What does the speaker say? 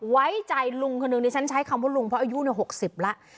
ไว้ใจลุงคนนึงนี่ฉันใช้คำว่าลุงเพราะอายุเนี่ยหกสิบแล้ว